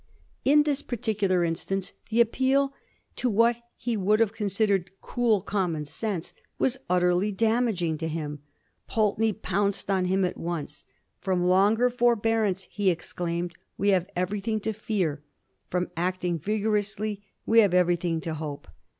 In this particular instance the appeal to what he would have considered cool common sense was utterly damaging to him. Pulteney pounced on him at once. " From longer forbearance," he exclaimed, we have everything to fear; from acting vigorously we have everything to hope."